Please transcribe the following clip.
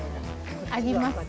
あります？